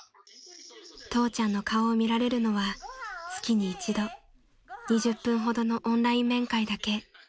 ［父ちゃんの顔を見られるのは月に１度２０分ほどのオンライン面会だけ］